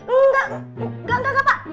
enggak enggak enggak pak